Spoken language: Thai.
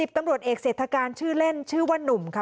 ตำรวจเอกเศรษฐการชื่อเล่นชื่อว่านุ่มค่ะ